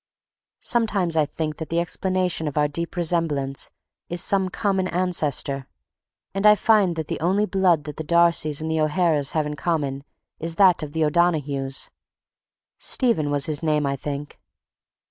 Sometimes I think that the explanation of our deep resemblance is some common ancestor, and I find that the only blood that the Darcys and the O'Haras have in common is that of the O'Donahues... Stephen was his name, I think....